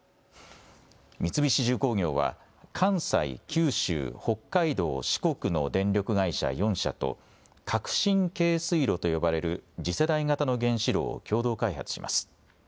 三菱重工業は関西、九州、北海道、四国の電力会社４社と革新軽水炉と呼ばれる次世代型の原子炉を共同開発します。